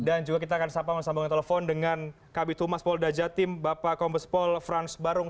dan juga kita akan sambungan telepon dengan kb tumas paul dajatim bapak kombes paul frans barung